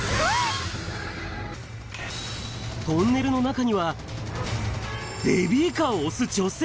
トンネルの中には、ベビーカーを押す女性。